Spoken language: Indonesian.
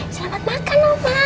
selamat makan oma